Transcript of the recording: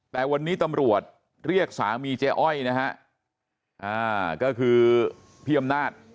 แต่วันนี้ตำรวจเรียกสามีเจ๊อ้อยนะฮะอ่าก็คือพี่อำนาจ